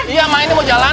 iya mak ini mau jalan